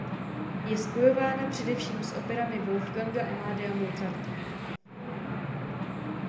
Je spojována především s operami Wolfganga Amadea Mozarta.